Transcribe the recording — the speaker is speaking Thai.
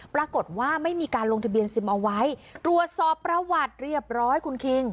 ปรากฏว่าไม่มีการลงทะเบียนซิมเอาไว้ตรวจสอบประวัติเรียบร้อยคุณคิง